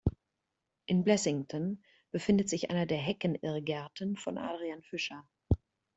In Blessington befindet sich einer der Hecken-Irrgärten von Adrian Fisher.